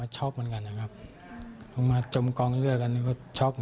ชอบเหมือนกันครับ